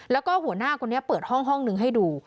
แล้วก็หัวหน้าคนนี้เปิดห้องห้องนึงให้ดู